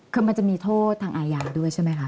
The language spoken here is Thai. คือมันจะมีโทษทางอาญาด้วยใช่ไหมคะ